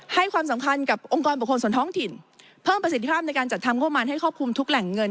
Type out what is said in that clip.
ให้ความสำคัญกับองค์กรบุคคลส่วนท้องถิ่นเพิ่มประสิทธิภาพในการจัดทำงบประมาณให้ครอบคลุมทุกแหล่งเงิน